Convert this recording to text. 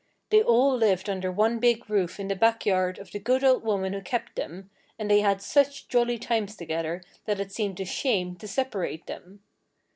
They all lived under one big roof in the backyard of the good old woman who kept them, and they had such jolly times together that it seemed a shame to separate them.